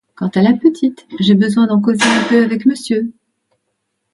Quant à la petite, j’ai besoin d’en causer un peu avec monsieur.